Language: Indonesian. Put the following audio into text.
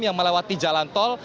yang melewati jalan tol